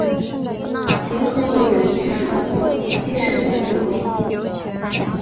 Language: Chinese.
联合国人居署的总部皆设在内罗毕。